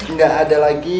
nggak ada lagi